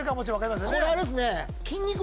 これあれですね。